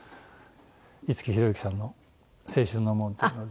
五木寛之さんの『青春の門』というので。